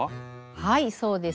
はいそうです。